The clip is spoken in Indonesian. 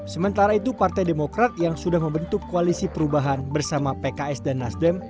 sementara itu partai demokrat yang sudah membentuk koalisi perubahan bersama pks dan nasdem